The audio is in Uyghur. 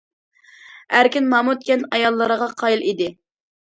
ئەركىن مامۇت كەنت ئاياللىرىغا قايىل ئىدى.